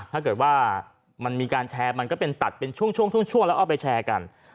ถ้าเกิดว่ามันมีการแชร์ก็เป็นตัชทุ่งและมีบอทไปแชร์กัน